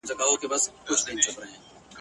نیلی د خوشحال خان چي په دې غرونو کي کچل دی ..